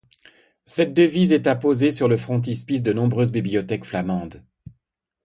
Cette devise est apposée sur le frontispice de nombreuses bibliothèques flamandes.